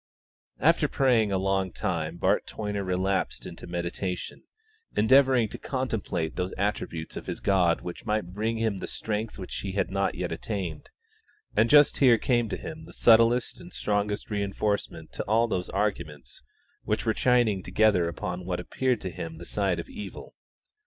After praying a long time Bart Toyner relapsed into meditation, endeavouring to contemplate those attributes of his God which might bring him the strength which he had not yet attained, and just here came to him the subtlest and strongest reinforcement to all those arguments which were chiming together upon what appeared to him the side of evil.